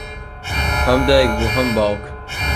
ھەم دایک بوو ھەم باوک